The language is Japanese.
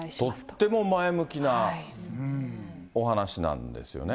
とっても前向きなお話なんですよね。